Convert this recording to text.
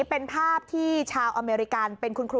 เป็นภาพที่ชาวอเมริกัน